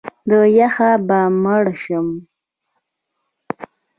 د یخه به مړ شم!